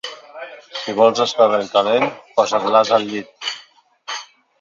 Si vols estar ben calent, posa't l'ase al llit.